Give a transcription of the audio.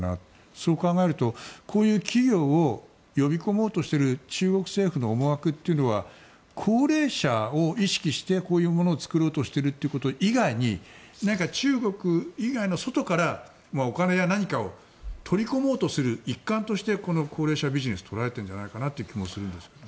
そう考えると、こういう企業を呼び込もうとしている中国政府の思惑というのは高齢者を意識してこういうものを作ろうとしていること以外に何か、中国以外の外からお金や何かを取り込もうとする一環としてこの高齢者ビジネスを捉えている気もするんですがね。